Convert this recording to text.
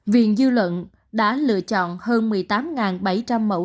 viện dư luận đã lựa chọn hơn một mươi tám bảy trăm linh mẫu